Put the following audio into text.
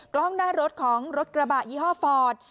กล้องหน้ารถของรถกระบะยี่ห้อฟอร์ด